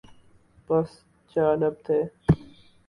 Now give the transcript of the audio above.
بس جالب تھے۔